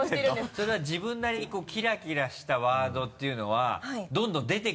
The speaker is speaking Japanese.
それは自分なりにキラキラしたワードっていうのはどんどん出てくるの？